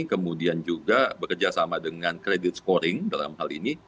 kemudian juga bekerja sama dengan credit scoring dalam hal ini